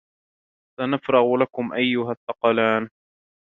سَنَفْرُغُ لَكُمْ أَيُّهَ الثَّقَلَانِ